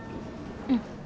うん。